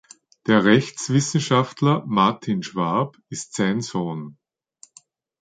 Der Rechtswissenschaftler Martin Schwab ist sein Sohn.